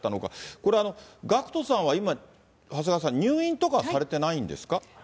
これあの、ＧＡＣＫＴさんは、長谷川さん、入院とかはされてないんですか？